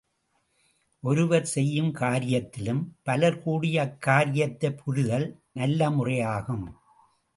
ஒருவர் செய்யும் காரியத்திலும் பலர் கூடி அக்காரியத்தைப் புரிதல் நல்லமுறையாகும்.